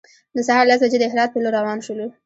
د سهار لس بجې د هرات په لور روان شولو.